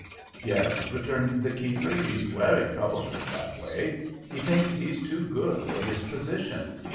"Yes," returned the keeper. "He's werry troublesome that way. He thinks he's too good for his position.